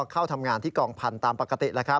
เข้าทำงานที่กองพันธุ์ตามปกติ